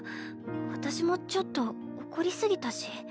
私もちょっと怒り過ぎたし。